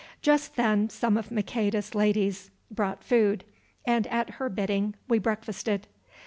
Just then some of Maqueda's ladies brought food, and at her bidding we breakfasted.